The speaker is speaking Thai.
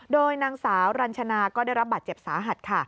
โดยนางสาวรัญชนาก็ได้รับบาดเจ็บสาหัสค่ะ